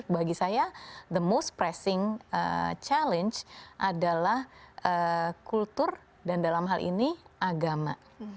bagi saya pertanyaan yang paling menekan adalah kultur dan dalam hal ini agama